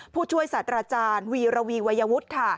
ผู้ช่วยศาสตราจารย์วีรวีวัยวุฒิค่ะ